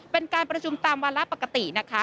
เป็นการประชุมตามวาระปกตินะคะ